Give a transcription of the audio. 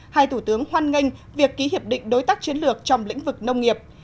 hai thủ tướng hoan nghênh việc ký hiệp định đối tác chiến lược trong lĩnh vực nông nghiệp